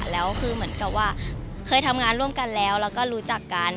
แล้วคือเหมือนกับว่าเคยทำงานร่วมกันแล้วแล้วก็รู้จักกัน